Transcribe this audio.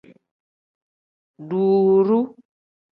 Duuru.